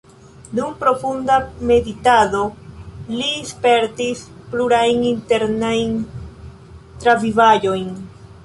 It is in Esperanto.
Dum profunda meditado li spertis plurajn internajn travivaĵojn.